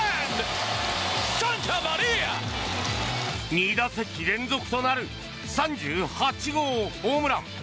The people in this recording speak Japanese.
２打席連続となる３８号ホームラン。